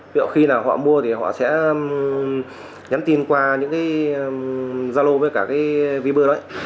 ví dụ khi họ mua thì họ sẽ nhắn tin qua zalo với cả viber